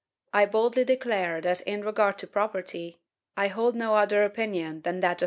I boldly declare that, in regard to property, I hold no other opinion than that of M.